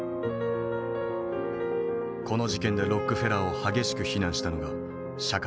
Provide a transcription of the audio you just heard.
この事件でロックフェラーを激しく非難したのが社会